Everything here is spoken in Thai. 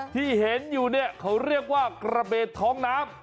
ที่เห็นอยู่เนี่ยเขาเรียกว่ากระเบนท้องน้ำ